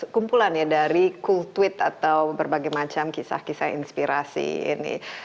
kumpulan ya dari cool tweet atau berbagai macam kisah kisah inspirasi ini